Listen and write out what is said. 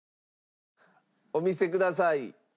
お見せください。